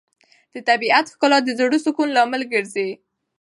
د طبیعت ښکلا د زړه سکون لامل ګرځي.